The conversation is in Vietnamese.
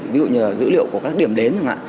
ví dụ như là dữ liệu của các điểm đến